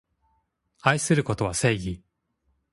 愛することは正義